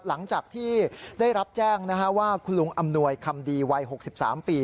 หลังจากที่ได้รับแจ้งว่าคุณลุงอำนวยคำดีวัย๖๓ปี